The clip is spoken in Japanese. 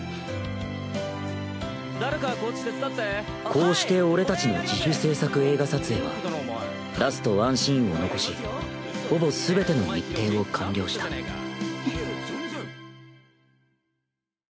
こうして俺たちの自主制作映画撮影はラスト１シーンを残しほぼ全ての日程を完了したふっ。